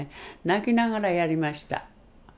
泣きながらやりました。